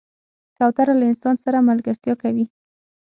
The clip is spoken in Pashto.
کوتره له انسان سره ملګرتیا کوي.